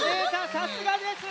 さすがです！